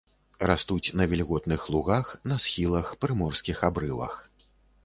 Растуць на вільготных лугах, на схілах, прыморскіх абрывах.